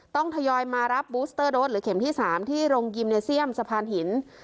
ทยอยมารับบูสเตอร์โดสหรือเข็มที่๓ที่โรงยิมเนเซียมสะพานหิน